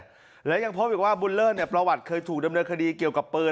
แล้วยังพบอีกว่าบุญเลิศเนี่ยประวัติเคยถูกดำเนินคดีเกี่ยวกับปืน